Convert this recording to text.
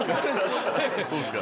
そうですか。